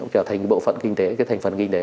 trở thành bộ phận kinh tế cái thành phần kinh tế